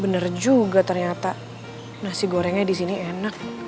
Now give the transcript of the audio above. bener juga ternyata nasi gorengnya disini enak